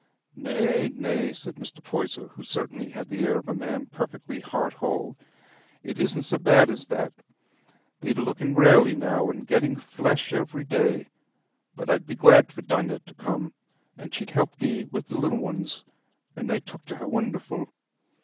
"Nay, nay," said Mr. Poyser, who certainly had the air of a man perfectly heart whole, "it isna so bad as that. Thee't looking rarely now, and getting flesh every day. But I'd be glad for Dinah t' come, for she'd help thee wi' the little uns: they took t' her wonderful."